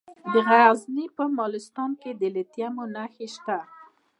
د غزني په مالستان کې د لیتیم نښې شته.